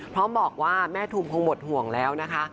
พร้อมบอกว่าแม่ทุมคงหมดห่วงแล้วนะคะ